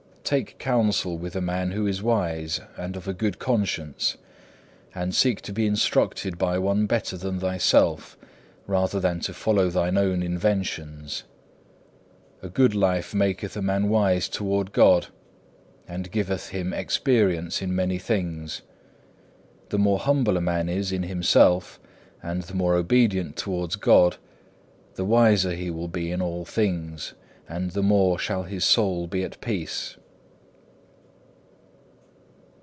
Take counsel with a man who is wise and of a good conscience; and seek to be instructed by one better than thyself, rather than to follow thine own inventions. A good life maketh a man wise toward God, and giveth him experience in many things. The more humble a man is in himself, and the more obedient towards God, the wiser will he be in all things, and the more shall his soul be at peace.